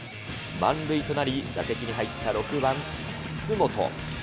満塁となり、打席に入った６番楠本。